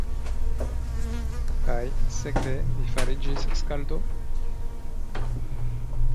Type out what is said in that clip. Kaj sekve vi fariĝis skaldo?